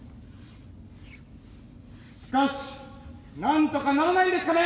しかしなんとかならないんですかね